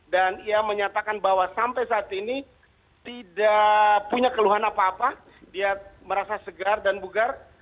dan ia menyatakan bahwa sampai saat ini tidak punya keluhan apa apa dia merasa segar dan bugar